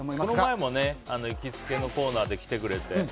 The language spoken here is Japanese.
この前も行きつけのコーナーで来てくれて。